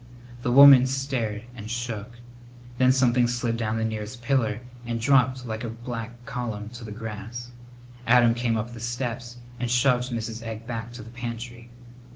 The woman stared and shook. Then something slid down the nearest pillar and dropped like a black column to the grass. Adam came up the steps and shoved Mrs. Egg back to the pantry.